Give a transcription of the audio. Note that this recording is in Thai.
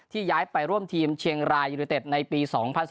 ที่ย้ายไปร่วมทีมเชียงรายุนิเตศในปี๒๐๑๗